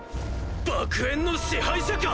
爆炎の支配者か？